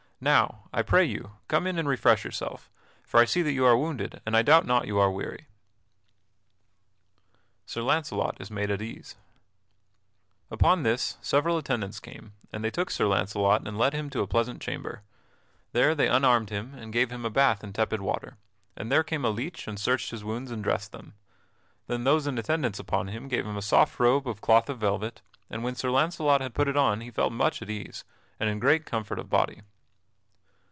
Now, I pray you, come in and refresh yourself, for I see that you are wounded and I doubt not you are weary." [Sidenote: Sir Launcelot is made at ease] Upon this several attendants came, and they took Sir Launcelot and led him to a pleasant chamber. There they unarmed him and gave him a bath in tepid water, and there came a leech and searched his wounds and dressed them. Then those in attendance upon him gave him a soft robe of cloth of velvet, and when Sir Launcelot had put it on he felt much at ease, and in great comfort of body.